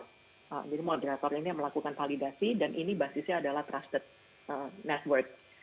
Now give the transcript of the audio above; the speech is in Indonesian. jadi moderator ini yang melakukan validasi dan ini basisnya adalah trusted network